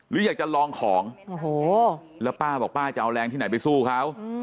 หรืออยากจะลองของโอ้โหแล้วป้าบอกป้าจะเอาแรงที่ไหนไปสู้เขา